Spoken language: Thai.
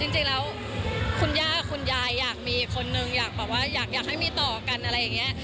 จริงแล้วคุณย่าคุณยายอยากมีคนหนึ่งอยากให้มีต่อกันอะไรไง